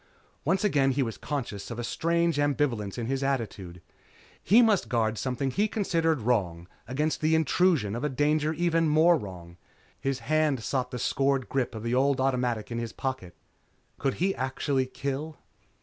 Once again he was conscious of a strange ambivalence in his attitude. He must guard something he considered wrong against the intrusion of a danger even more wrong. His hand sought the scored grip of the old automatic in his pocket. Could he actually kill?